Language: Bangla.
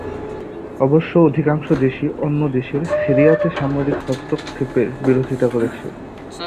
অবশ্য, অধিকাংশ দেশই অন্য দেশের সিরিয়াতে সামরিক হস্তক্ষেপের বিরোধিতা করেছে।